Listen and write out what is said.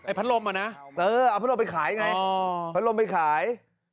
พัดลมอ่ะนะเอาพัดลมไปขายไงพัดลมไปขาย